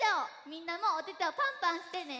みんなもおててをパンパンしてね。